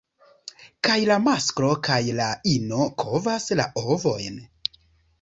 Kaj la masklo kaj la ino kovas la ovojn.